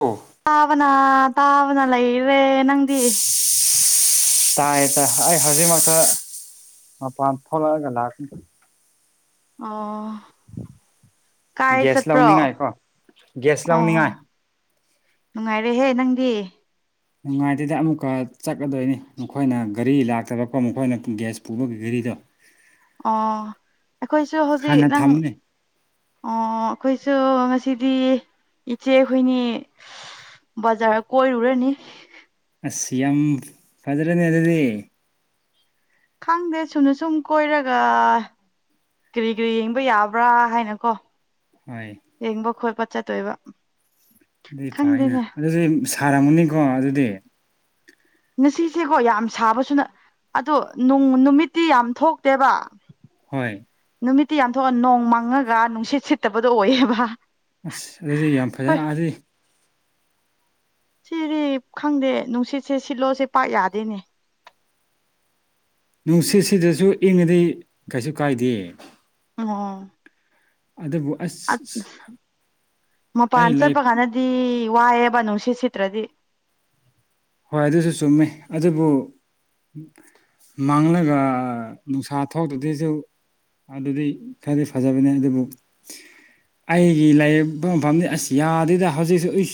ꯑꯣ ꯇꯥꯕꯅ ꯇꯥꯕꯅ ꯂꯩꯔꯦ ꯅꯪꯗꯤ? ꯇꯥꯏꯌꯦ ꯇ ꯑꯩ ꯍꯧꯖꯤꯛꯃꯛꯇ ꯄꯥꯟ ꯐꯂꯒꯦ ꯂꯥꯛ ꯑꯣ ꯀꯥꯏ ꯒꯦꯁ ꯆꯠꯄ꯭ꯔꯣ ꯂꯧꯅꯤꯡꯉꯥꯏ ꯀꯣ ꯒꯦꯁ ꯑꯣ ꯂꯧꯅꯤꯡꯉꯥꯏ ꯅꯨꯡꯉꯥꯏꯔꯦꯍꯦ ꯅꯪꯗꯤ ꯅꯨꯡꯉꯥꯏꯇꯦꯗ ꯑꯃꯨꯛꯀ ꯆꯠꯀꯗꯣꯏꯅꯤ ꯃꯈꯣꯏꯅ ꯘꯔꯤ ꯂꯥꯛꯇꯕꯀꯣ ꯃꯈꯣꯏꯅ ꯒꯦꯁ ꯄꯨꯕꯒꯤ ꯘꯔꯤꯗꯣ ꯑꯣ ꯑꯩꯈꯣꯏꯁꯨ ꯍꯧꯖꯤꯛ ꯍꯥꯟꯅ ꯅꯪ ꯊꯝꯃꯨꯅꯦ ꯑꯣ ꯑꯩꯈꯣꯏꯁꯨ ꯉꯁꯤꯗꯤ ꯏꯆꯦ ꯑꯩꯈꯣꯏꯅꯤ ꯕꯖꯥ ꯀꯔꯔꯦꯅꯤ ꯑꯁ ꯌꯥꯝ ꯐꯖ꯭ꯔꯅꯤ ꯑꯗꯨ ꯑꯗꯨꯗꯤ ꯈꯪꯗꯦ ꯁꯨꯅ ꯁꯨꯝ ꯀꯣꯏꯔꯒ ꯀꯔꯤ ꯀꯔꯤ ꯌꯦꯡꯕ ꯌꯥꯕ꯭ꯔꯥ ꯍꯥꯏꯅꯀꯣ ꯍꯣꯏ ꯌꯦꯡꯕ ꯈꯣꯠꯄ ꯆꯠꯇꯣꯏꯕ ꯑꯗꯨꯗꯤ ꯐꯥꯏꯅ ꯈꯪꯗꯦꯅꯦ ꯑꯗꯨꯗꯤ ꯁꯥꯔꯝꯃꯅꯤꯀꯣ ꯑꯗꯨꯗꯤ ꯉꯁꯤꯁꯦꯀꯣ ꯌꯥꯝ ꯁꯥꯕꯁꯨꯅ ꯑꯗꯣꯅꯨꯡ ꯅꯨꯃꯤꯠꯇꯤ ꯌꯥꯝ ꯊꯣꯛꯇꯦꯕ ꯍꯣꯏ ꯅꯨꯃꯤꯠꯇꯤ ꯌꯥꯝꯊꯣꯛꯑ ꯅꯣꯡ ꯃꯥꯡꯉꯒ ꯅꯨꯡꯁꯤꯠ ꯁꯤꯠꯇꯕꯗꯣ ꯑꯣꯏꯌꯦꯕ꯫ ꯑꯁ ꯑꯗꯨꯗꯤ ꯌꯥꯝ ꯍꯣꯏ ꯐꯖꯅꯗꯤ ꯁꯤꯔꯤ ꯈꯪꯗꯦ ꯅꯨꯡꯁꯤꯠꯁꯦ ꯁꯤꯠꯂꯣꯁꯦ ꯄꯥꯛ ꯌꯥꯗꯦꯅꯦ ꯅꯨꯡꯁꯤꯠ ꯁꯤꯗꯁꯨ ꯏꯪꯉꯗꯤ ꯀꯩꯁꯨ ꯀꯥꯏꯗꯦ ꯑꯣ ꯑꯗꯨꯕꯨ ꯑꯁ ꯑꯩ ꯃꯄꯥꯟ ꯂꯩ ꯆꯠꯄ ꯀꯥꯟꯗꯗꯤ ꯋꯥꯏꯑꯦꯕ ꯅꯨꯡꯁꯤꯠ ꯁꯤꯠꯇ꯭ꯔꯗꯤ ꯍꯣꯏ ꯑꯗꯨꯁꯨ ꯆꯨꯝꯃꯦ ꯑꯗꯨꯕꯨ ꯃꯥꯡꯂꯒ ꯅꯨꯡꯁꯥ ꯊꯣꯛꯇ꯭ꯔꯗꯁꯨ ꯑꯗꯨꯗꯤ ꯈꯔꯗꯤ ꯐꯖꯕꯅꯦ ꯑꯗꯨꯕꯨ ꯑꯩꯒꯤ ꯂꯥꯏ ꯌꯦꯛꯄ ꯃꯐꯝꯅꯤ ꯑꯁ ꯌꯥꯗꯦꯗ ꯍꯧꯖꯤꯛꯁꯨ ꯑꯩ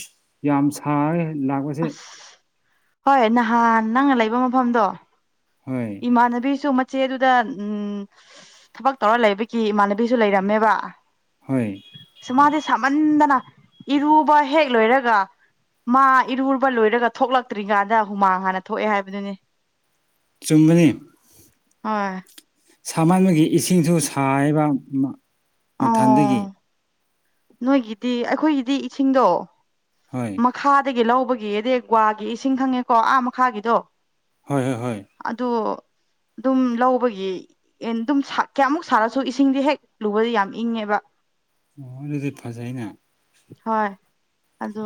ꯌꯥꯝ ꯁꯥꯔꯦ ꯂꯥꯛꯄꯁꯦ ꯑꯁ ꯍꯣꯏ ꯅꯍꯥꯟ ꯅꯪꯅ ꯂꯩꯕ ꯃꯐꯝꯗꯣ ꯍꯣꯏ ꯏꯃꯥꯟꯅꯕꯤꯁꯨ ꯃꯆꯦꯗꯨꯗ ꯎꯝ ꯊꯕꯛ ꯇꯧꯔ ꯂꯩꯕꯒꯤ ꯏꯃꯥꯟꯅꯕꯤꯁꯨ ꯂꯩꯔꯝꯃꯦꯕ ꯍꯣꯏ ꯁ ꯃꯥꯗꯤ ꯁꯥꯃꯟꯗꯅ ꯏꯔꯨꯕ ꯍꯦꯛ ꯂꯣꯏꯔꯒ ꯃꯥ ꯏꯔꯨꯕ ꯂꯣꯏꯔꯒ ꯊꯣꯛꯂꯛꯇ꯭ꯔꯤꯀꯥꯟꯗ ꯍꯨꯃꯥꯡ ꯍꯥꯟꯅ ꯊꯣꯛꯑꯦ ꯍꯥꯏꯕꯗꯨꯅꯦ ꯆꯨꯝꯒꯅꯤ ꯍꯣꯏ ꯁꯍꯟꯕꯒꯤ ꯏꯁꯤꯡꯁꯨ ꯁꯥꯏꯕ ꯑꯣ ꯃꯊꯟꯗꯒꯤ ꯅꯣꯏꯒꯤꯗꯤ ꯑꯩꯈꯣꯏꯒꯤꯗꯤ ꯏꯁꯤꯡꯗꯣ ꯍꯣꯏ ꯃꯈꯥꯗꯒꯤ ꯂꯧꯕꯒꯤꯗ ꯒ꯭ꯋꯥꯒꯤ ꯏꯁꯤꯡ ꯈꯪꯉꯦꯀꯣ ꯑꯥ ꯃꯈꯥꯒꯤꯗꯣ ꯍꯣꯏ ꯍꯣꯏ ꯍꯣꯏ ꯑꯗꯨ ꯑꯗꯨꯝ ꯂꯧꯕꯒꯤ ꯑꯗꯨꯝ ꯀꯌꯥꯃꯨꯛ ꯁꯥꯔꯁꯨ ꯏꯁꯤꯡꯗꯤ ꯍꯦꯛ ꯂꯨꯕꯗꯤ ꯌꯥꯝ ꯏꯉꯦꯕ ꯑꯣꯣꯏ ꯑꯗꯨꯗꯤ ꯐꯖꯩꯅꯦ ꯍꯣꯏ ꯑꯗꯣ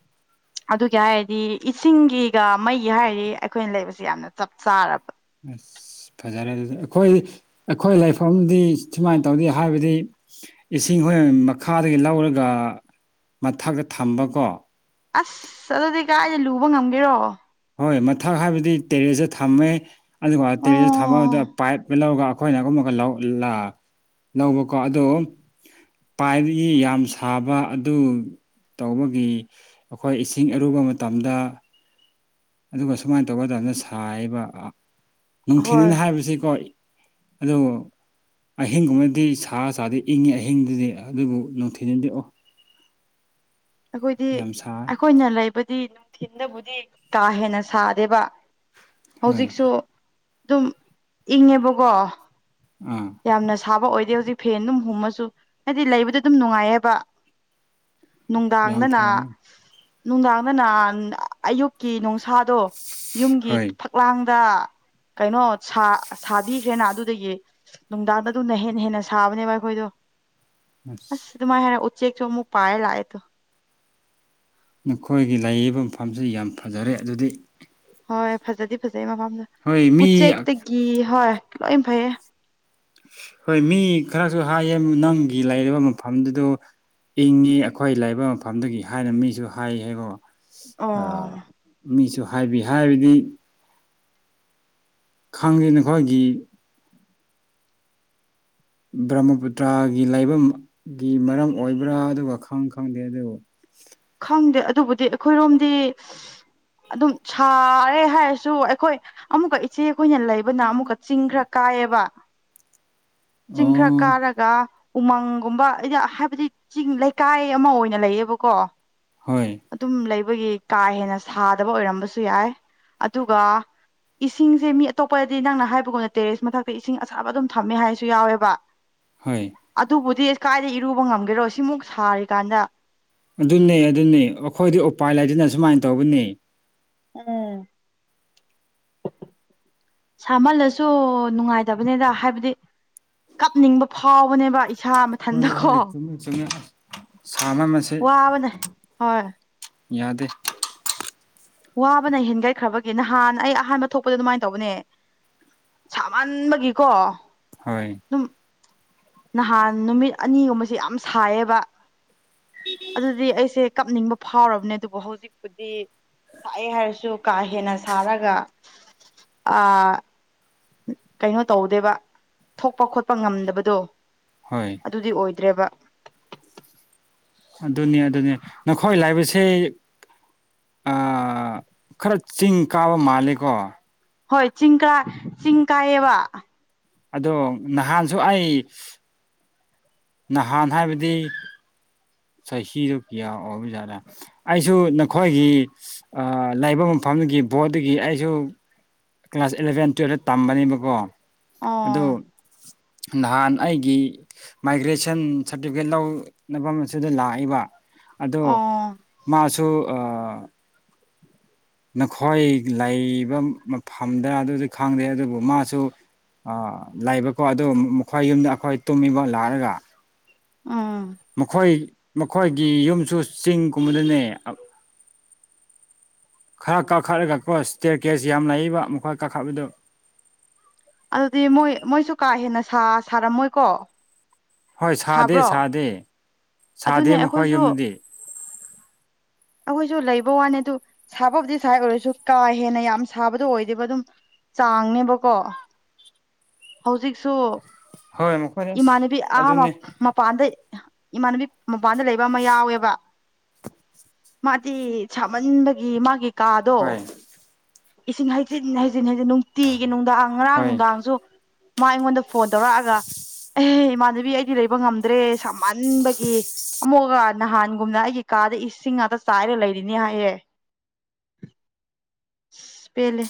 [inaudible] ꯑꯗꯨꯒꯤ ꯍꯥꯏꯔꯗꯤ ꯏꯁꯤꯡꯒꯤꯒ ꯃꯩꯒ ꯍꯥꯏꯔꯗꯤ ꯑꯩꯈꯣꯏꯅ ꯂꯩꯕꯕꯁꯤꯦ ꯌꯥꯝꯅ ꯆꯞ ꯆꯥꯔꯕ ꯑꯁ ꯐꯖꯔꯦ ꯑꯗꯨꯗꯤ ꯑꯩꯈꯣꯏ ꯑꯩꯈꯣꯏ ꯂꯩꯐꯝꯗꯤ ꯁꯨꯃꯥꯏꯅ ꯇꯧꯗꯦ ꯍꯥꯏꯕꯗꯤ ꯏꯁꯤꯡ ꯍꯣꯏ ꯃꯈꯥꯗꯒꯤ ꯂꯧꯔꯒ ꯃꯊꯛꯇ ꯊꯝꯕꯀꯣ ꯑꯁ ꯑꯗꯨꯗꯤ ꯀꯥꯏꯗ ꯂꯨꯕ ꯉꯝꯒꯦꯔꯣ ꯍꯣꯏ ꯃꯊꯛ ꯍꯥꯏꯕꯗꯤ ꯇꯦꯔꯦꯁꯇ ꯊꯝꯃꯦ ꯑꯗꯨꯒ ꯇꯦꯔꯦꯁꯇ ꯊꯝꯃ ꯑꯣ ꯑꯗꯨꯗ ꯄꯥꯏꯞꯇ ꯂꯧꯔꯒ ꯑꯩꯈꯣꯏꯅ ꯑꯗꯨꯨꯝꯕꯒ ꯂꯧꯕꯀꯣ ꯑꯗꯣ ꯄꯥꯏꯕꯒꯤ ꯌꯥꯝ ꯁꯥꯕ ꯑꯗꯨ ꯇꯧꯕꯒꯤ ꯑꯩꯈꯣꯏ ꯏꯁꯤꯡ ꯑꯔꯨꯕ ꯃꯇꯝꯗ ꯑꯗꯨꯒ ꯁꯨꯃꯥꯏꯅ ꯇꯧꯕ ꯇꯅ ꯁꯥꯔꯤꯕ ꯍꯣꯏ ꯅꯨꯡꯊꯤꯜꯅ ꯍꯥꯏꯕꯁꯤꯀꯣ ꯑꯗꯨꯗꯣ ꯑꯍꯤꯡꯒꯨꯝꯕꯗꯤ ꯁꯥ ꯆꯥꯗꯤ ꯏꯪꯉꯤ ꯑꯍꯤꯡꯗꯨꯗꯤ ꯑꯗꯨꯕꯨ ꯅꯨꯡꯊꯤꯅꯗꯤ ꯑꯣ ꯑꯩꯈꯣꯏꯗꯤ ꯌꯥꯝ ꯁꯥꯏ ꯑꯩꯈꯣꯏꯅ ꯂꯩꯕꯗꯤ ꯅꯨꯡꯊꯤꯟꯗꯕꯨꯗꯤ ꯀꯥ ꯍꯦꯟꯅ ꯁꯥꯗꯦꯕ ꯍꯣꯏ ꯍꯧꯖꯤꯛꯁꯨ ꯑꯗꯨꯝ ꯏꯪꯉꯦꯕꯀꯣ ꯑꯥ ꯌꯥꯝꯅ ꯁꯥꯕ ꯑꯣꯏꯗꯦ ꯍꯧꯖꯤꯛ ꯐꯦꯟ ꯑꯗꯨꯝ ꯍꯨꯝꯃꯁꯨ ꯍꯥꯏꯗꯤ ꯂꯩꯕꯗ ꯑꯗꯨꯝ ꯅꯨꯡꯉꯥꯏꯌꯦꯕ ꯌꯥꯝ ꯅꯨꯡꯗꯥꯡꯗꯅ ꯐꯩ ꯅꯨꯡꯗꯥꯡꯗꯅ ꯑꯌꯨꯛꯀꯤ ꯅꯨꯡꯁꯥꯗꯣ ꯌꯨꯝꯒꯤ ꯍꯣꯏ ꯐꯛꯂꯥꯡꯗ ꯀꯩꯅꯣ ꯁꯥꯕꯤꯈ꯭ꯔꯦꯅ ꯑꯗꯨꯗꯒꯤ ꯅꯨꯡꯗꯥꯡꯗ ꯑꯗꯨꯝꯅ ꯍꯦ ꯍꯦꯟꯅ ꯁꯥꯕꯅꯦꯕ ꯑꯩꯈꯣꯏꯗꯣ ꯑꯁ ꯑꯗꯨꯨ ꯃꯥꯥꯏ ꯍꯦ ꯎꯆꯦꯛ ꯆ ꯃꯨꯛ ꯄꯌꯦ ꯂꯑꯦ ꯇ ꯅꯈꯣꯏꯒꯤ ꯂꯩꯔꯤꯕ ꯃꯐꯝꯁꯤ ꯌꯥꯝ ꯐꯖꯔꯦ ꯑꯗꯨꯗꯤ ꯍꯣꯏ ꯐꯖꯗꯤ ꯐꯖꯩ ꯃꯐꯝꯗ ꯍꯣꯏ ꯃꯤ ꯎꯆꯦꯛꯇꯒꯤ ꯍꯣꯏ ꯂꯣꯏ ꯐꯩꯌꯦ ꯍꯣꯏ ꯃꯤ ꯈꯔꯁꯨ ꯍꯥꯏꯌꯦ ꯅꯪꯒꯤ ꯂꯩꯔꯤꯕ ꯃꯐꯝꯗꯨꯗ ꯏꯪꯉꯤ ꯑꯩꯈꯣꯏ ꯂꯥꯏꯕ ꯃꯐꯝꯗꯒꯤ ꯍꯥꯏꯅ ꯃꯤꯁꯨ ꯍꯥꯏ ꯍꯥꯏꯕꯣ ꯑꯣ ꯃꯤꯁꯨ ꯍꯥꯏꯕꯤ ꯍꯥꯏꯕꯗꯤ ꯈꯥꯡꯗꯦ ꯅꯈꯣꯏꯒꯤ ꯕ꯭ꯔꯃꯄꯨꯇ꯭ꯔꯥꯒꯤ ꯂꯥꯏꯕꯒꯤ ꯃꯔꯝ ꯑꯣꯏꯕ꯭ꯔꯥ ꯑꯗꯨꯒ ꯈꯪ ꯈꯪꯗꯦ ꯑꯗꯨꯕꯨ ꯈꯪꯗꯦ ꯑꯗꯨꯕꯨꯗꯤ ꯑꯩꯈꯣꯏꯔꯣꯝꯗꯤ ꯑꯗꯨꯝ ꯁꯥꯔꯦ ꯍꯥꯏꯔꯁꯨ ꯑꯩꯈꯣꯏ ꯑꯃꯨꯛꯀ ꯏꯆꯦ ꯑꯩꯈꯣꯏꯅ ꯂꯩꯕꯅ ꯑꯃꯨꯛꯀ ꯆꯤꯡ ꯈ꯭ꯔ ꯀꯥꯏꯑꯕ ꯆꯤꯡꯈ꯭ꯔ ꯑꯣ ꯀꯥꯔꯒ ꯑꯗꯨꯒ ꯎꯃꯪꯒꯨꯝꯕꯗꯤ ꯍꯥꯏꯕꯗꯤ ꯆꯤꯡ ꯂꯩꯀꯥꯏ ꯑꯃ ꯑꯣꯏꯅ ꯂꯩꯌꯦꯕꯀꯣ ꯍꯣꯏ ꯑꯗꯨꯝ ꯂꯩꯕꯒꯤ ꯀꯥ ꯍꯦꯟꯅ ꯁꯥꯗꯕ ꯑꯣꯏꯔꯝꯕꯁꯨ ꯌꯥꯏ ꯑꯗꯨꯒ ꯏꯁꯤꯡꯁꯦ ꯃꯤ ꯑꯇꯣꯞꯄꯗꯗꯤ ꯅꯪꯅ ꯍꯥꯏꯕꯒꯨꯝꯅ ꯇꯦꯔꯦꯁ ꯃꯊꯛꯇ ꯏꯁꯤꯡ ꯑꯁꯥꯕ ꯑꯗꯨꯝ ꯊꯝꯃꯦ ꯍꯥꯏꯁꯦ ꯁꯨ ꯌꯥꯎꯋꯦꯕ ꯍꯣꯏ ꯑꯗꯨꯕꯨꯗꯤ ꯑꯁ ꯀꯥꯏꯗ ꯏꯔꯨꯕ ꯉꯝꯒꯦꯔꯣ ꯁꯤꯃꯨꯛ ꯁꯥꯔꯤꯀꯥꯟꯗ ꯑꯗꯨꯅꯦ ꯑꯗꯨꯅꯤ ꯑꯩꯈꯣꯏꯗꯤ ꯎꯄꯥꯏ ꯂꯩꯇꯅ ꯁꯨꯃꯥꯏꯅ ꯇꯧꯕꯅꯤ ꯎꯝ ꯁꯥꯍꯜꯂꯁꯨ ꯅꯨꯡꯉꯥꯏꯇꯕꯅꯤꯗ ꯍꯥꯏꯕꯗꯤ ꯀꯞꯅꯤꯡꯕ ꯐꯥꯎꯕꯅꯦꯕ ꯏꯁꯥ ꯍꯣꯏ ꯍꯣꯏ ꯃꯊꯟꯗꯀꯣ ꯍꯣꯏ ꯆꯨꯝꯃꯤ ꯆꯨꯝꯃꯦ ꯑꯁ ꯁꯅꯕꯁꯦ ꯋꯥꯕꯅ ꯍꯣꯏ ꯌꯥꯗꯦ ꯋꯥꯕꯅ ꯍꯦꯟꯒꯠꯈ꯭ꯔꯕꯒꯤ ꯅꯍꯥꯟ ꯑꯩ ꯑꯍꯥꯟꯕ ꯊꯣꯛꯄꯗ ꯑꯗꯨꯃꯥꯏꯅ ꯇꯧꯕꯅꯦ ꯁꯥꯃꯟꯕꯒꯤꯀꯣ ꯍꯣꯏ ꯑꯗꯨꯝ ꯅꯍꯥꯟ ꯅꯨꯃꯤꯠ ꯑꯅꯤꯒꯨꯝꯕꯕꯁꯤꯦ ꯌꯥꯝ ꯁꯥꯏꯌꯦꯕ ꯑꯗꯨꯗꯤ ꯑꯩꯁꯦ ꯀꯞꯅꯤꯡꯕ ꯐꯥꯎꯔꯕꯅꯦ ꯑꯗꯨꯕꯨ ꯍꯧꯖꯤꯛꯄꯨꯗꯤ ꯁꯥꯏꯑꯦ ꯍꯥꯏꯔꯁꯨ ꯀꯥ ꯍꯦꯟꯅ ꯁꯥꯔꯒ ꯑ ꯀꯩꯅꯣ ꯇꯧꯗꯦꯕ ꯊꯣꯛꯄ ꯈꯣꯠꯄ ꯉꯝꯗꯕꯗꯣ ꯍꯣꯏ ꯑꯗꯨꯗꯤ ꯑꯣꯏꯗ꯭ꯔꯦꯕ ꯑꯗꯨꯅꯦ ꯑꯗꯨꯅꯦ ꯅꯈꯣꯏ ꯂꯥꯏꯕꯁ ꯈꯔ ꯆꯤꯡ ꯀꯥꯕ ꯃꯥꯂꯦꯀꯣ ꯍꯣꯏ ꯆꯤꯀꯥ ꯆꯤꯀꯌꯦ ꯑꯗꯣ ꯅꯍꯥꯟꯁꯨ ꯑꯩ ꯅꯍꯥꯟ ꯍꯥꯏꯕꯗꯤ ꯆꯍꯤ ꯆꯍꯤꯁꯨꯣ ꯀꯌꯥ ꯑꯣꯕꯨ ꯔ ꯑꯩꯁꯨ ꯅꯈꯣꯏꯒꯤ ꯂꯩꯕ ꯃꯐꯝꯗꯨꯒꯤ ꯕꯣꯠꯇꯒꯤ ꯑꯩꯁꯨ ꯀ꯭ꯂꯥꯁ ꯏꯂꯚꯦꯟ ꯇꯨꯌꯦꯜꯞꯇ ꯇꯝꯕꯅꯦꯕꯀꯣ ꯑꯣ ꯅꯍꯥꯟ ꯑꯩꯒꯤ ꯃꯥꯏꯒ꯭ꯔꯦꯁꯟ ꯁꯥꯔꯇꯤꯐꯤꯀꯦꯠ ꯂꯧꯅꯕ ꯑꯁꯤꯗ ꯂꯥꯛꯏꯕ ꯑꯗꯣ ꯑꯣ ꯃꯥꯁꯨ ꯅꯈꯣꯏ ꯂꯩꯕ ꯃꯐꯝꯗ ꯑꯗꯨꯗꯤ ꯈꯪꯗꯦ ꯑꯗꯨꯕꯨ ꯃꯥꯁꯨ ꯑꯥ ꯂꯩꯕꯀꯣ ꯑꯗꯨꯣ ꯃꯈꯣꯏ ꯌꯨꯝꯗ ꯑꯩꯈꯣꯏ ꯇꯨꯝꯃꯤꯕ ꯂꯥꯛꯑꯒ ꯎꯝ ꯃꯈꯣꯏ ꯃꯈꯣꯏꯒꯤ ꯌꯨꯝꯁꯨ ꯆꯤꯡꯒꯨꯝꯕꯗꯅꯦ ꯈꯔ ꯀꯥꯈꯠꯂꯒꯀꯣ ꯏꯁ꯭ꯇꯦꯔ ꯀꯦꯖ ꯌꯥꯝ ꯂꯩꯏꯕ ꯃꯈꯣꯏ ꯀꯥꯈꯠꯄꯗꯣ ꯑꯗꯨꯗꯤ ꯃꯣꯏ ꯃꯣꯏꯁꯨ ꯀꯥ ꯍꯦꯟꯅ ꯁꯥ ꯁꯥꯔꯝꯃꯣꯏꯀꯣ ꯍꯣꯏ ꯁꯥꯗꯦ ꯁꯥꯕ꯭ꯔꯣ ꯁꯥꯗꯦ ꯁꯥꯗꯦ ꯑꯗꯨꯅꯦ ꯃꯈꯣꯏ ꯑꯩꯈꯣꯏꯁꯨ ꯌꯨꯝꯗꯗꯤ ꯑꯩꯈꯣꯏꯁꯨ ꯂꯩꯕ ꯋꯥꯅꯤ ꯑꯗꯨ ꯁꯥꯕꯕꯨꯗꯤ ꯁꯥꯏ ꯑꯣꯏꯔꯁꯨ ꯀꯥ ꯍꯦꯟꯅ ꯌꯥꯝ ꯁꯥꯕꯗꯣ ꯑꯣꯏꯗꯦꯕ ꯑꯗꯨꯝ ꯆꯥꯡꯅꯦꯕꯀꯣ ꯍꯧꯖꯤꯛꯁꯨ ꯍꯣꯏ ꯃꯈꯣꯏ ꯑꯁ ꯏꯃꯥꯟꯅꯕꯤ ꯑꯍꯥ ꯑꯗꯨꯅꯤ ꯃꯄꯥꯟꯗ ꯏꯃꯥꯟꯅꯕꯤ ꯃꯄꯥꯟꯗ ꯂꯩꯕ ꯑꯃ ꯌꯥꯎꯋꯦꯕ ꯃꯥꯗꯤ ꯁꯥꯃꯟꯕꯒꯤ ꯃꯥꯒꯤ ꯀꯥꯗꯣ ꯍꯣꯏ ꯏꯁꯤꯡ ꯍꯩꯖꯤꯟ ꯍꯩꯖꯤꯟ ꯍꯩꯖꯤꯟ ꯅꯨꯡꯇꯤꯒꯤ ꯅꯨꯡꯗꯥꯡ ꯉꯔꯥꯡ ꯍꯣꯏ ꯅꯨꯡꯗꯥꯡꯁꯨ ꯃꯥ ꯑꯩꯉꯣꯟꯗ ꯐꯣꯟ ꯇꯧꯔꯛꯑꯒ ꯑꯦ ꯏꯃꯥꯟꯅꯕꯤ ꯑꯩꯗꯤ ꯂꯩꯕ ꯉꯝꯗ꯭ꯔꯦ ꯁꯃꯟꯕꯒꯤ ꯑꯃꯨꯛꯀ ꯅꯍꯥꯟꯒꯨꯝꯅ ꯑꯩꯒꯤ ꯀꯥꯗ ꯏꯁꯤꯡ ꯉꯥꯛꯇ ꯆꯥꯏꯔꯒ ꯂꯩꯔꯤꯅꯤ ꯍꯥꯏꯌꯦꯦ ꯄꯦꯂꯦ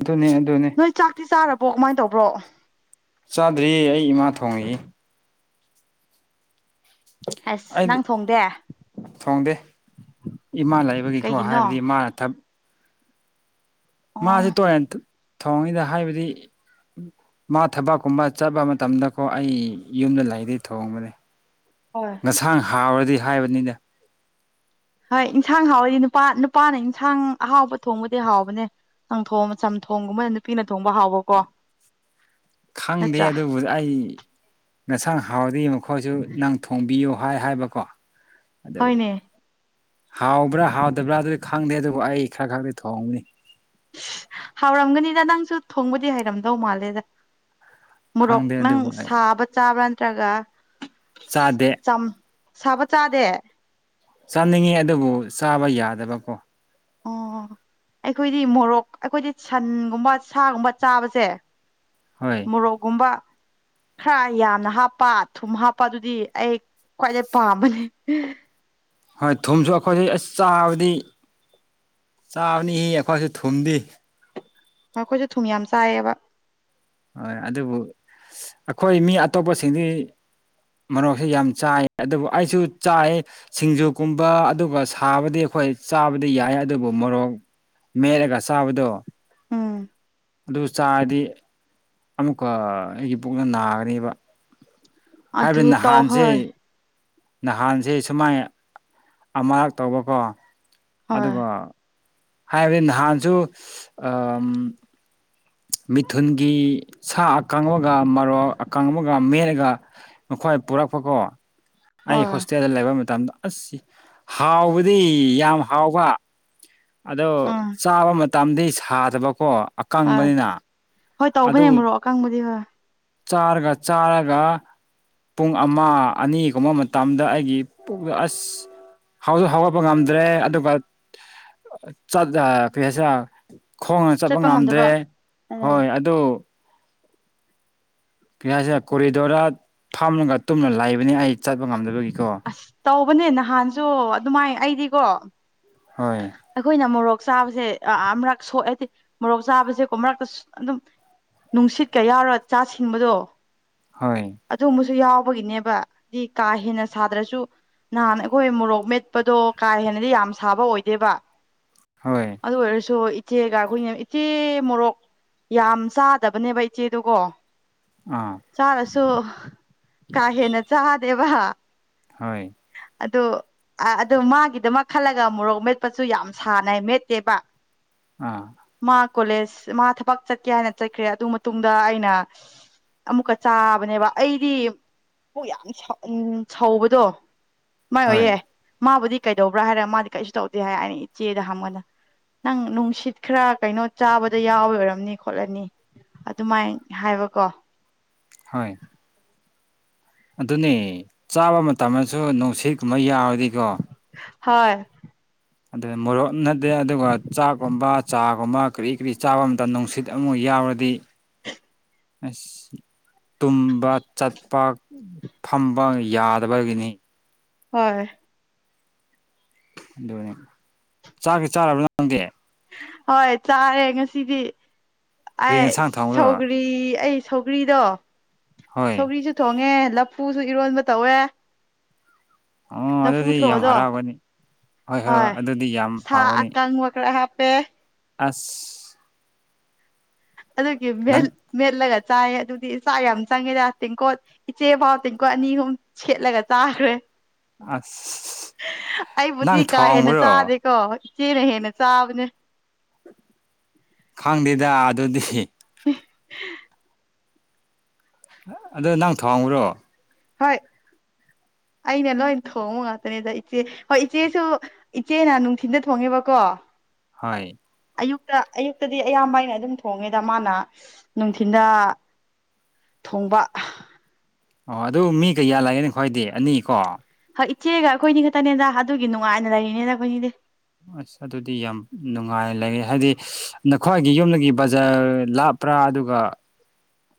ꯑꯗꯨꯣꯅꯦ ꯑꯗꯨꯅꯦ ꯅ ꯆꯥꯛꯇꯤ ꯆꯥꯔꯕꯣ ꯀꯃꯥꯏꯅ ꯇꯧꯕ꯭ꯔꯣ ꯆꯥꯗ꯭ꯔꯤꯌꯦ ꯑꯩ ꯏꯃꯥ ꯊꯣꯡꯉꯛꯏ ꯑꯁ ꯑꯩꯗꯤ ꯅꯪ ꯊꯣꯡꯗꯦ ꯊꯣꯡꯗꯦ ꯏꯃꯥ ꯂꯩꯕꯒꯤꯀꯣ ꯀꯩꯒꯤꯅꯣ ꯍꯥꯏꯕꯗꯤ ꯏꯃꯥꯅ ꯊꯞ ꯑꯣ ꯃꯥꯁꯤ ꯇꯨꯔꯦꯟ ꯊꯧꯉꯩꯗ ꯍꯥꯏꯕꯗꯤ ꯃꯥ ꯊꯕꯛꯀꯨꯝꯕ ꯆꯠꯄ ꯃꯇꯝꯗꯀꯣ ꯑꯩ ꯌꯨꯝꯗ ꯂꯩꯗꯒꯤꯩ ꯊꯣꯡꯕꯅꯦ ꯍꯣꯏ ꯉꯁꯥꯡ ꯍꯥꯎꯔꯗꯤ ꯍꯥꯏꯕꯅꯤꯗ ꯍꯣꯏ ꯏꯟꯁꯥꯡ ꯍꯥꯎꯋꯗꯤ ꯅꯨꯄꯥ ꯅꯨꯄꯥꯅ ꯏꯟꯁꯥꯡ ꯑꯍꯥꯎꯕ ꯊꯣꯡꯕꯗꯤ ꯍꯥꯎꯕꯅꯦ꯫ ꯆꯪꯊꯣ ꯆꯝꯊꯣꯡꯒꯨꯝꯕ ꯅꯨꯄꯤꯅ ꯊꯣꯡꯕ ꯍꯥꯎꯕꯀꯣ ꯈꯪꯗꯦ ꯅꯠꯇ꯭ꯔꯥ ꯑꯗꯨꯕꯨ ꯑꯩ ꯉꯁꯥꯡ ꯍꯥꯎꯗ ꯑꯩꯈꯣꯏꯁꯨ ꯅꯪ ꯊꯣꯡꯕꯤꯌꯨ ꯍꯥꯏ ꯍꯥꯏꯕꯀꯣ ꯑꯗꯨ ꯍꯣꯏꯅꯦ ꯍꯥꯎꯕ꯭ꯔꯥ ꯍꯥꯎꯗꯕ꯭ꯔꯥ ꯑꯗꯨꯗꯤ ꯈꯪꯗꯦ ꯑꯗꯨꯕꯨ ꯑꯩ ꯈꯔ ꯈꯛꯇꯗꯤ ꯊꯣꯡꯕꯅꯤ ꯍꯥꯎꯔꯝꯒꯅꯤꯗ ꯅꯪꯁꯨ ꯊꯣꯡꯕꯗꯤ ꯍꯩꯔꯝꯗꯧ ꯃꯥꯜꯂꯦꯗ ꯃꯣꯔꯣꯛ ꯈꯪꯗꯦ ꯅꯪ ꯑꯗꯨꯕꯨ ꯑꯩ ꯁꯥꯕ ꯆꯥꯕ꯭ꯔꯥ ꯅꯠꯇ꯭ꯔꯒ ꯆꯥꯗꯦ ꯆꯝ ꯁꯥꯕ ꯆꯥꯗꯦ ꯆꯥꯅꯤꯡꯉꯦ ꯑꯗꯨꯕꯨ ꯆꯥꯕ ꯌꯥꯗꯕꯀꯣ ꯑꯣ ꯑꯩꯈꯣꯏꯗꯤ ꯃꯣꯔꯣꯛ ꯑꯩꯈꯣꯏꯗꯤ ꯁꯟꯒꯨꯝꯕ ꯁꯥꯒꯨꯝꯕ ꯆꯥꯕꯁꯦ ꯍꯣꯏ ꯃꯣꯔꯣꯛꯒꯨꯝꯕ ꯈꯔ ꯌꯥꯝꯅ ꯍꯥꯞꯄ ꯊꯨꯝ ꯍꯥꯞꯄ ꯑꯗꯨꯗꯤ ꯑꯩ ꯈ꯭ꯋꯥꯏꯗꯩ ꯄꯥꯝꯕꯅꯤ ꯍꯣꯏ ꯊꯨꯝꯁꯨ ꯑꯈꯣꯏꯁꯨ ꯑꯁ ꯆꯥꯕꯗꯤ ꯆꯥꯕꯅꯤꯍꯤ ꯑꯈꯣꯏꯁꯨ ꯊꯨꯝꯗꯤ ꯑꯩꯈꯣꯏꯁꯨꯦ ꯊꯨꯝ ꯌꯥꯝ ꯆꯥꯏꯌꯦꯕ ꯍꯣꯏ ꯑꯗꯨꯕꯨ ꯑꯩꯈꯣꯏ ꯃꯤ ꯑꯇꯣꯞꯄꯁꯤꯡꯗꯤ ꯃꯔꯣꯛꯁꯦ ꯌꯥꯝ ꯆꯥꯏ ꯑꯗꯨꯕꯨ ꯑꯩꯁꯨ ꯆꯥꯏ ꯁꯤꯡꯖꯨꯀꯨꯝꯕ ꯑꯗꯨꯒ ꯁꯥꯕꯗꯤ ꯑꯩꯈꯣꯏ ꯆꯥꯕꯗꯤ ꯌꯥꯏ ꯑꯗꯨꯕꯨ ꯃꯣꯔꯣꯛ ꯃꯦꯜꯠꯂꯒ ꯁꯥꯕꯗꯣ ꯎꯝ ꯑꯗꯨ ꯆꯥꯔꯗꯤ ꯑꯃꯨꯛꯀ ꯑꯩꯒꯤ ꯄꯨꯛꯅ ꯅꯥꯒꯅꯦꯕ ꯑꯗꯨ ꯍꯥꯏꯕꯗꯤ ꯇꯧ ꯅꯍꯥꯟꯁꯦ ꯍꯣꯏ ꯅꯍꯥꯟꯁ ꯁꯨꯃꯥꯏ ꯑꯃꯔꯛ ꯇꯧꯕꯀꯣ ꯍꯣꯏ ꯑꯗꯨꯒ ꯍꯥꯏꯕꯗꯤ ꯅꯍꯥꯟꯁꯨ ꯑꯝ ꯃꯤꯊꯨꯟꯒꯤ ꯁꯥ ꯑꯀꯪ ꯕꯒ ꯃꯔꯣꯛ ꯑꯀꯪ ꯕꯒ ꯃꯦꯠꯂꯒ ꯅꯣꯏ ꯄꯨꯔꯛꯄꯀꯣ ꯑꯩ ꯍꯣꯏ ꯍꯣꯁꯇꯦꯜꯗ ꯂꯩꯕ ꯃꯇꯝꯗ ꯑꯁ ꯍꯥꯎꯕꯗꯤ ꯌꯥꯝ ꯍꯥꯎꯕ ꯑꯗꯣ ꯎꯝ ꯆꯥꯕ ꯃꯇꯝ ꯇꯝꯗꯤ ꯁꯥꯗꯕꯀꯣ ꯍꯣꯏ ꯑꯀꯪꯕꯅꯤꯅ ꯍꯣꯏ ꯇꯧꯕꯅꯦ ꯑꯗꯨ ꯃꯔꯣꯔꯣꯛ ꯑꯀꯥꯡꯕꯨꯗꯤ ꯍꯣꯏ ꯆꯥꯔꯒ ꯆꯥꯔꯒ ꯄꯨꯡ ꯑꯃ ꯑꯅꯤꯒꯨꯝꯕ ꯃꯇꯝꯗ ꯑꯩꯒꯤ ꯄꯨꯛꯗ ꯑꯁ ꯍꯧꯁꯨ ꯍꯧꯒꯠꯄ ꯉꯝꯗ꯭ꯔꯦ ꯑꯗꯨꯒꯠ ꯀ ꯍꯥꯏꯁꯦ ꯈꯣꯡꯅ ꯆꯠꯄ ꯉꯝꯗ꯭ꯔꯦ ꯎꯝ ꯍꯣꯏ ꯑꯗꯨ ꯀꯁꯤꯔ ꯀꯣꯔꯤꯗꯣꯔ ꯐꯝꯂꯒ ꯇꯨꯝꯅ ꯂꯩꯕꯅꯤ ꯑꯩ ꯆꯠꯄ ꯉꯝꯗꯕꯒꯤꯀꯣ꯫ ꯑꯁ ꯇꯧꯕꯅꯦ ꯅꯍꯥꯟꯁꯨ ꯑꯗꯨꯃꯥꯏ ꯑꯩꯗꯤꯀꯣ ꯍꯣꯏ ꯑꯩꯈꯣꯏꯅ ꯃꯣꯔꯣꯛ ꯆꯥꯕꯁꯦ ꯑ ꯃꯔꯛ ꯁꯣꯛꯑꯗꯤ ꯃꯣꯔꯣꯛ ꯆꯥꯕꯁꯦꯀꯣ ꯃꯔꯛꯇ ꯑꯗꯨꯝ ꯅꯨꯡꯁꯤꯠꯀ ꯌꯥꯎꯔꯣ ꯆꯥ ꯁꯤꯡꯕꯗꯣ ꯍꯣꯏ ꯑꯗꯨꯝꯕꯁꯨ ꯌꯥꯎꯕꯒꯤꯅꯦꯕ ꯗꯤ ꯀꯥ ꯍꯦꯟꯅ ꯁꯥꯗ꯭ꯔꯁꯨ ꯅꯍꯥꯟ ꯑꯩꯈꯣꯏ ꯃꯣꯔꯣꯛ ꯃꯦꯠꯄꯗꯣ ꯀꯥ ꯍꯦꯟꯅꯗꯤ ꯌꯥꯝ ꯁꯥꯕ ꯑꯣꯏꯗꯦꯕ ꯍꯣꯏ ꯑꯗꯨ ꯑꯣꯏꯔꯁꯨ ꯏꯆꯦꯒ ꯈꯣꯏꯅ ꯏꯆꯦ ꯃꯣꯔꯣꯛ ꯌꯥꯝ ꯆꯥꯗꯕꯅꯦꯕ ꯏꯆꯦꯗꯨꯒꯣ ꯑꯥ ꯆꯥꯔꯁꯨ ꯀꯥ ꯍꯦꯟꯅ ꯆꯥꯗꯦꯕ ꯍꯣꯏ ꯑꯗꯣ ꯑ ꯑꯗꯨ ꯃꯥꯒꯤꯗꯃꯛ ꯈꯜꯂꯒ ꯃꯣꯔꯣꯛ ꯃꯦꯠꯄꯁꯨ ꯌꯥꯝ ꯁꯥꯅ ꯃꯦꯠꯇꯦꯕ꯫ ꯑꯥ ꯃꯥ ꯀꯣꯂꯦꯖ ꯃꯥ ꯊꯕꯛ ꯆꯠꯀꯦ ꯍꯥꯏꯅ ꯆꯠꯈ꯭ꯔꯦ ꯑꯗꯨ ꯃꯇꯨꯡꯗ ꯑꯩꯅ ꯑꯃꯨꯛꯀ ꯆꯥꯕꯅꯦꯕ ꯑꯩꯗꯤ ꯄꯨꯛ ꯌꯥꯝ ꯁꯧꯕꯗꯣ ꯃꯥꯏ ꯍꯣꯏ ꯑꯣꯏꯌꯦ ꯃꯥꯕꯨꯗꯤ ꯀꯩꯗꯧꯕ꯭ꯔꯥ ꯍꯥꯏꯔꯒ ꯃꯥꯗꯤ ꯀꯩꯁꯨ ꯇꯧꯗꯦ ꯍꯥꯏ ꯑꯩꯅ ꯏꯆꯦꯗ ꯍꯪꯕꯀꯥꯟꯗ ꯅꯪ ꯅꯨꯡꯁꯤꯠ ꯈꯔ ꯀꯩꯅꯣ ꯆꯥꯕꯗ ꯌꯥꯎꯕꯩ ꯑꯣꯏꯔꯝꯅꯤ ꯈꯣꯠꯂꯝꯅꯤ ꯑꯗꯨꯃꯥꯏ ꯍꯥꯏꯕꯀꯣ ꯍꯣꯏ ꯑꯗꯨꯅꯦ ꯆꯥꯕ ꯃꯇꯝꯗꯁꯨ ꯅꯨꯡꯁꯤꯠꯀꯨꯝꯕ ꯌꯥꯎꯔꯗꯤꯀꯣ ꯍꯣꯏ ꯑꯗꯨ ꯃꯣꯔꯣꯛ ꯅꯠꯇ ꯑꯗꯨꯒ ꯆꯥꯛꯀꯨꯝꯕ ꯆꯥꯒꯨꯝꯕ ꯀꯔꯤ ꯀꯔꯤ ꯆꯥꯕ ꯃꯇꯝꯗ ꯅꯨꯡꯁꯤꯠ ꯑꯃꯨꯛ ꯌꯥꯎꯔꯗꯤ ꯑꯁ ꯇꯨꯝꯕ ꯆꯠꯄ ꯐꯝꯕ ꯌꯥꯗꯕꯒꯤꯅꯤ ꯍꯣꯏ ꯑꯗꯨꯅꯦ ꯆꯥꯛꯇꯤ ꯆꯥꯔꯕ꯭ꯔꯥ ꯅꯪꯗꯤ? ꯍꯣꯏ ꯆꯥꯔꯦ ꯉꯁꯤꯗꯤ ꯀꯔꯤ ꯑꯩ ꯌꯦꯟꯁꯥꯡ ꯊꯣꯡꯕ꯭ꯔꯣ ꯁꯧꯒ꯭ꯔꯤ ꯑꯩ ꯁꯧꯒ꯭ꯔꯤꯗꯣ ꯍꯣꯏ ꯁꯧꯒ꯭ꯔꯤꯁꯨ ꯊꯣꯡꯉꯦ ꯂꯐꯨꯁꯨ ꯏꯔꯣꯟꯕ ꯇꯧꯋꯦ꯫ ꯑꯣ ꯂꯐꯨ ꯑꯗꯨꯗꯤ ꯌꯥꯝ ꯊꯔꯣꯗꯣ ꯍꯔꯥꯎꯒꯅꯤ ꯍꯣꯏ ꯑꯗꯨꯗꯤ ꯌꯥꯝ ꯁꯥ ꯍꯥꯎꯒꯅꯤ ꯑꯀꯪꯕ ꯈꯔꯥ ꯍꯥꯞꯄꯦ ꯑꯁ ꯑꯗꯨꯒꯤ ꯅꯪ ꯃꯦꯠꯂꯒ ꯆꯥꯏ ꯑꯗꯨꯗꯤ ꯆꯥꯛ ꯌꯥꯝ ꯆꯪꯉꯤꯗ ꯇꯦꯡꯀꯣꯠ ꯏꯆꯦ ꯐꯥꯎ ꯇꯦꯡꯀꯣꯠ ꯑꯅꯤ ꯑꯍꯨꯝ ꯁꯦꯠꯂꯒ ꯆꯥꯈ꯭ꯔꯦ꯫ ꯑꯁ ꯑꯩꯕꯨꯗꯤ ꯅꯪ ꯀꯥ ꯍꯦꯟꯅ ꯊꯣꯡꯕ꯭ꯔꯣ ꯆꯥꯗꯦꯀꯣ ꯏꯆꯦꯅ ꯍꯦꯟꯅ ꯆꯥꯕꯅꯦ ꯈꯪꯗꯦꯗ ꯑꯗꯨꯗꯤ [inaudible] ꯑꯗꯣ ꯅꯪ ꯊꯣꯡꯕ꯭ꯔꯣ ꯍꯣꯏ ꯑꯩꯅ ꯂꯣꯏ ꯊꯣꯡꯕ ꯉꯥꯛꯇꯅꯤꯗ ꯏꯆꯦ ꯍꯣꯏ ꯏꯆꯦꯁꯨ ꯏꯆꯦꯅ ꯅꯨꯡꯊꯤꯟꯗ ꯊꯣꯡꯉꯦꯕꯀꯣ ꯍꯣꯏ ꯑꯌꯨꯛꯇ ꯑꯌꯨꯛꯇꯗꯤ ꯑꯌꯥꯝꯕ ꯑꯩꯅ ꯑꯗꯨꯝ ꯊꯣꯡꯉꯦꯗ ꯃꯥꯅ ꯅꯨꯡꯊꯤꯟꯗ ꯊꯣꯡꯕ ꯑꯣ ꯑꯗꯨ ꯃꯤ ꯀꯌꯥ ꯂꯩꯌꯦ ꯅꯈꯣꯏꯗꯤ ꯑꯅꯤ ꯀꯣ ꯍꯣꯏ ꯏꯆꯦꯒ ꯑꯩꯈꯣꯏꯅꯤ ꯈꯛꯇꯅꯦꯗ ꯑꯗꯨꯒꯤ ꯅꯨꯡꯉꯥꯏꯅ ꯂꯩꯔꯤꯅꯦꯗ ꯈꯣꯏꯅꯤꯗꯤ꯫ ꯑꯁ ꯑꯗꯨꯗꯤ ꯌꯥꯝ ꯅꯨꯡꯉꯥꯏ ꯂꯩ ꯍꯥꯏꯗꯤ ꯅꯈꯣꯏꯒꯤ ꯌꯨꯝꯗꯒꯤ ꯕꯖꯥꯔ ꯂꯥꯞꯄ꯭ꯔꯥ ꯑꯗꯨꯒ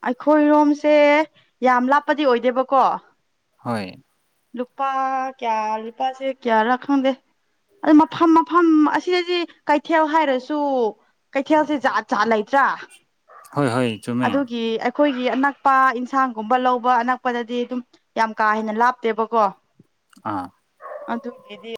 ꯑꯩꯈꯣꯏꯔꯣꯝꯁꯦ ꯌꯥꯝ ꯂꯥꯞꯄꯗꯤ ꯑꯣꯏꯗꯦꯕꯀꯣ ꯍꯣꯏ ꯂꯨꯄꯥ ꯀꯌꯥ ꯂꯨꯄꯥꯥꯁꯦ ꯀꯌꯥꯔꯥ ꯈꯪꯗꯦ ꯑꯗꯨ ꯃꯐꯝ ꯃꯐꯝ ꯑꯁꯤꯗꯗꯤ ꯀꯩꯊꯦꯜ ꯍꯥꯏꯔꯁꯨ ꯀꯩꯊꯦꯜꯁꯦ ꯖꯥꯠ ꯖꯥꯠ ꯂꯩꯇ꯭ꯔꯥ ꯍꯣꯏ ꯍꯣꯏ ꯆꯨꯝꯃꯦ ꯑꯗꯨꯒꯤ ꯑꯩꯈꯣꯏꯒꯤ ꯑꯅꯛꯄ ꯏꯟꯁꯥꯡꯒꯨꯝꯕ ꯂꯧꯕ ꯑꯅꯛꯄꯗꯗꯤ ꯑꯗꯨꯝ ꯌꯥꯝ ꯀꯥ ꯍꯦꯟꯅ ꯂꯥꯞꯇꯦꯕꯀꯣ ꯑꯥ ꯑꯗꯨꯒꯤꯗꯤ